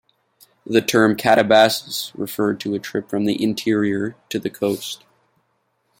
The term "katabasis" referred to a trip from the interior to the coast.